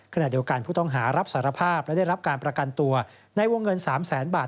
ขณะเดียวกันผู้ต้องหารับสารภาพและได้รับการประกันตัวในวงเงิน๓แสนบาท